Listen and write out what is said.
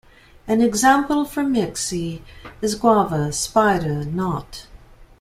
An example from Mixe is "guava", "spider", "knot".